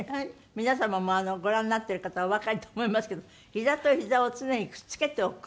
皆様もご覧になってる方おわかりと思いますけどひざとひざを常にくっつけておく。